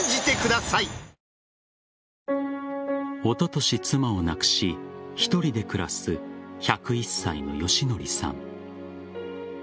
おととし、妻を亡くし１人で暮らす１０１歳の良則さん。